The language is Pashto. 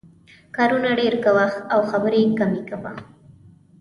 کارونه ډېر کوه او خبرې کمې کوه.